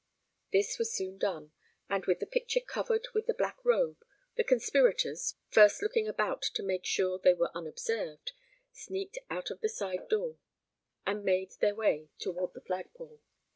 This was soon done, and, with the picture covered with the black robe, the conspirators, first looking about to make sure they were unobserved, sneaked out the side door, and made their way toward the flagpole.